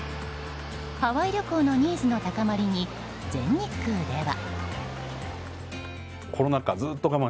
ハワイ旅行のニーズの高まりに全日空では。